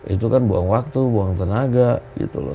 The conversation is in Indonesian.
itu kan buang waktu buang tenaga gitu loh